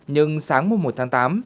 nhưng sáng mùng một tháng tám